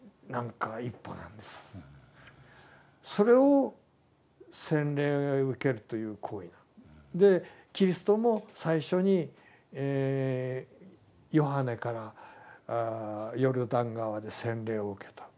それを洗礼を受けるという行為。でキリストも最初にヨハネからヨルダン川で洗礼を受けた。